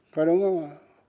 có đúng không ạ